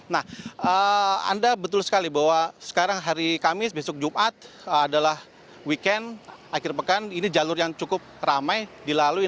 nah anda betul sekali bahwa sekarang hari kamis besok jumat adalah weekend akhir pekan ini jalur yang cukup ramai dilalui